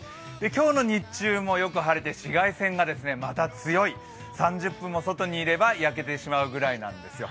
今日の日中もよく晴れて紫外線がまた強い、３０分も外にいればやけてしまうぐらいなんですよ。